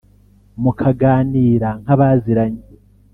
mukaganira nk’abaziranye